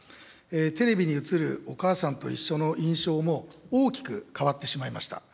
テレビに映るおかあさんといっしょの印象も、大きく変わってしまいました。